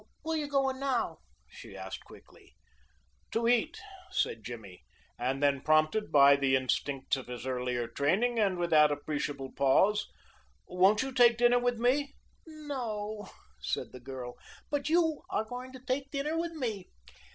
"Where you going now?" she asked quickly. "To eat," said Jimmy, and then prompted by the instincts of his earlier training and without appreciable pause: "Won't you take dinner with me?" "No," said the girl, "but you are going to take dinner with me.